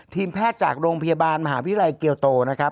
ทีมแพทย์จากโรงพยาบาลมหาวิทยาลัยเกียวโตนะครับ